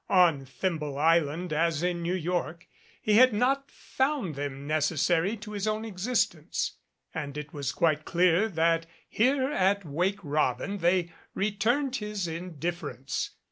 On Thimble Island, as in New York, he had not found them necessary to his own existence, and it was quite clear that here at "Wake Robin" they re turned his indifference.